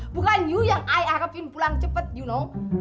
bukan ibu yang saya harapin pulang cepat you know